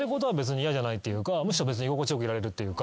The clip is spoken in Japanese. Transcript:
むしろ居心地良くいられるっていうか。